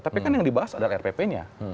tapi kan yang dibahas adalah rpp nya